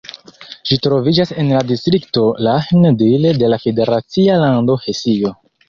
Ĝi troviĝas en la distrikto Lahn-Dill de la federacia lando Hesio.